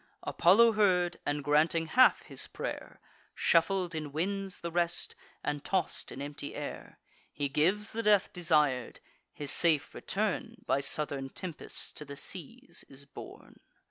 Apollo heard, and, granting half his pray'r, Shuffled in winds the rest, and toss'd in empty air. He gives the death desir'd; his safe return By southern tempests to the seas is borne.